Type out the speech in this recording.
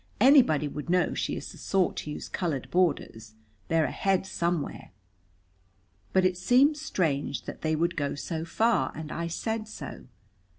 "Anybody would know she is the sort to use colored borders. They're ahead somewhere." But it seemed strange that they would go so far, and I said so.